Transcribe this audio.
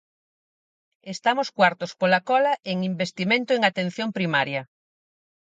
Estamos cuartos pola cola en investimento en atención primaria.